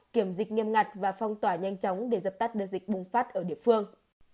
kiểm dịch nghiêm ngặt và phong tỏa nhanh chóng để dập tắt được dịch bùng phát ở địa phương